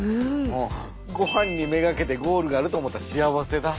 もうごはんに目がけてゴールがあると思ったら幸せだ。